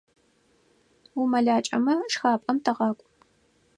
УмэлакӀэмэ, шхапӀэм тыгъакӀу.